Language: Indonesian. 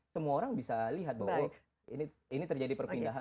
semua orang bisa lihat bahwa ini terjadi perpindahan